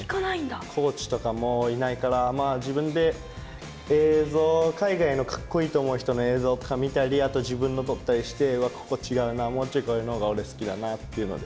コーチとかもいないから自分で映像海外のカッコいいと思う人の映像とか見たりあと自分の撮ったりして「うわっここ違うな。もうちょいこれのほうが俺好きだな」っていうので。